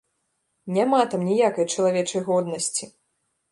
Няма там ніякай чалавечай годнасці!